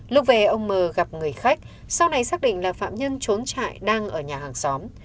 lúc về ông mờ gặp người khách sau này xác định là phạm nhân trốn trại đang ở nhà hàng xóm